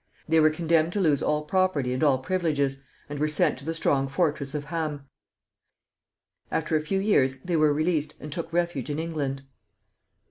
They were condemned to lose all property and all privileges, and were sent to the strong fortress of Ham. After a few years they were released, and took refuge in England.